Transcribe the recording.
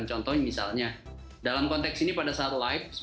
contohnya misalnya dalam konteks ini pada saat live